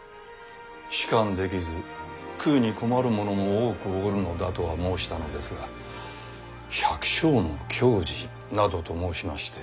仕官できず食うに困る者も多くおるのだとは申したのですが「百姓の矜持」などと申しまして。